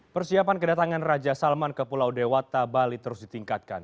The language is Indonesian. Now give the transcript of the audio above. persiapan kedatangan raja salman ke pulau dewata bali terus ditingkatkan